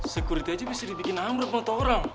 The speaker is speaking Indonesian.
security aja bisa dibikin ngambret